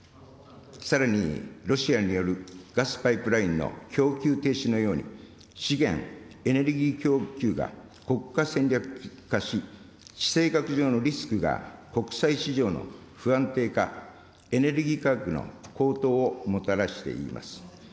さらにロシアによるガスパイプラインの供給停止のように、資源・エネルギー供給が国家戦略化し、地政学上のリスクが、国際市場の不安定化、エネルギー価格の高騰をもたらしています。